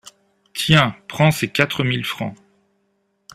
Tiens, prends ces quatre mille francs.